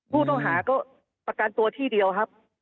ผู้ต้องหาก็ประกันตัวที่เดียวครับ